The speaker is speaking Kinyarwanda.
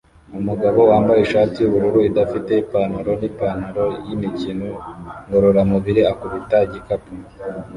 Umugabo wambaye ishati yubururu idafite ipantaro nipantaro yimikino ngororamubiri akubita igikapu